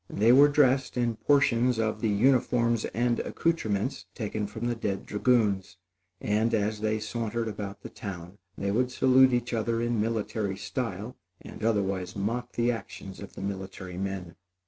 They were dressed in portions of the uniforms and accoutrements taken from the dead dragoons; and, as they sauntered about the town, they would salute each other in military style, and otherwise mock the actions of the military men.